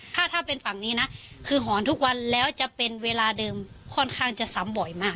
ถ้าถ้าเป็นฝั่งนี้นะคือหอนทุกวันแล้วจะเป็นเวลาเดิมค่อนข้างจะซ้ำบ่อยมาก